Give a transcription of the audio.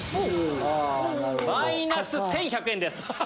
マイナス１１００円です。